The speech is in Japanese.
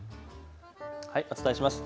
お伝えします。